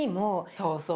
そうそう。